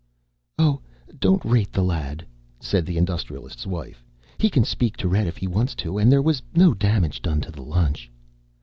"Oh, don't rate the lad," said the Industrialist's wife. "He can speak to Red if he wants to, and there was no damage done to the lunch."